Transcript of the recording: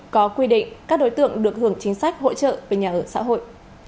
có quy định các đối tượng được hưởng chính sách hỗ trợ về nhà ở xã hội